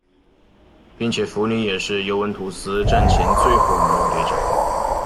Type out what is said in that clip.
并且福尼也是尤文图斯战前最后一任队长。